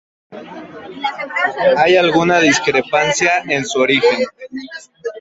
Hay alguna discrepancia en su origen.